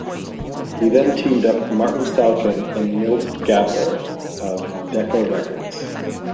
He then teamed up Martin Salkin and Milt Gabler of Decca Records.